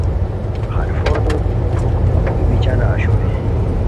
خلفو دُور پُھک ای بیچانہ اوشوئے